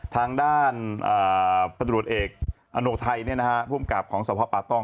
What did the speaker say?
ทางด้านปฏิรวจเอกอโนคไทยนี่นะฮะภูมิกราบของสภาพปากตรอง